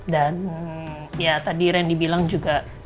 dan ya tadi randy bilang juga